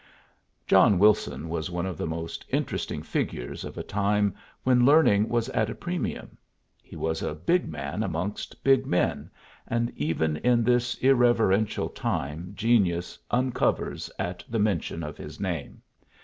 John Wilson was one of the most interesting figures of a time when learning was at a premium; he was a big man amongst big men, and even in this irreverential time genius uncovers at the mention of his name.